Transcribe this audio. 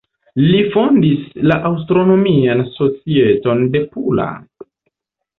Li fondis la Astronomian Societon de Pula.